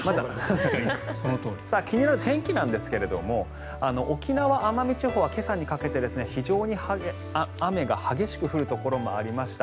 気になる天気なんですが沖縄・奄美地方は今朝にかけて非常に雨が激しく降るところもありました。